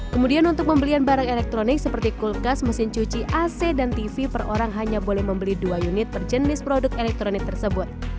kemudian untuk pembelian barang elektronik seperti kulkas mesin cuci ac dan tv per orang hanya boleh membeli dua unit per jenis produk elektronik tersebut